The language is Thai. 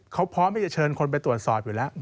เขาพร้อมที่จะเชิญคนไปตรวจสอบอยู่แล้ว